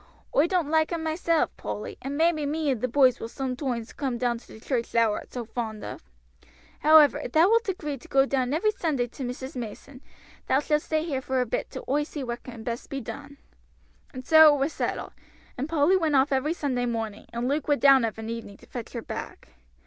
"Oi don't like him myself, Polly, and maybe me and the boys will sometoimes come down to the church thou art so fond of. However, if thou wilt agree to go down every Sunday to Mrs. Mason, thou shalt stay here for a bit till oi see what can best be done." And so it was settled, and Polly went off every Sunday morning, and Luke went down of an evening to fetch her back.